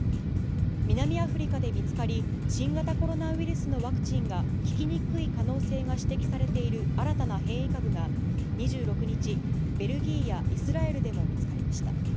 南アフリカで見つかり、新型コロナウイルスのワクチンが効きにくい可能性が指摘されている新たな変異株が、２６日、ベルギーやイスラエルでも見つかりました。